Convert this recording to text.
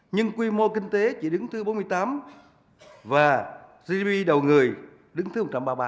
nhưng quy mô kinh tế chỉ đứng thứ bốn mươi tám và gdp đầu người đứng thứ một trăm ba mươi ba